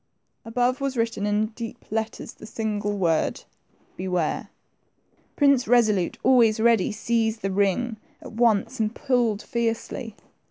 Above was written in deep letters the single word, Beware !" Prince Resolute, always ready, seized the ring at 78 THE TWO PRINCES. once, and pulled fiercely.